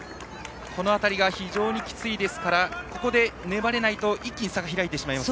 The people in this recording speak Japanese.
この辺り、非常にきついのでここで粘れないと一気に差が開いてしまいます。